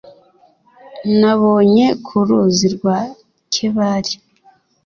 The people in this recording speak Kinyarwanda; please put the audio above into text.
nabonye ku ruzi rwa kebari